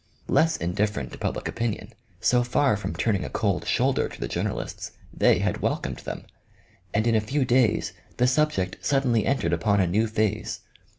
Less indifferent to public opinion, so far from turning a cold shoulder to the journalists, they had welcomed them, and in a few 20 OMEGA. days the subject suddenly entered upon a new phase.